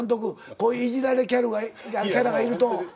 こういういじられキャラがいると。